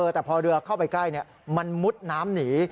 แต่พอเรือเข้าไปใกล้มันมุดน้ำหนี